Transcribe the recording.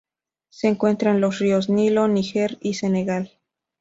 Se encuentra en los ríos Nilo, Níger y Senegal.